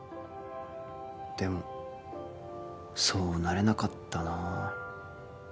でもそうなれなかったな。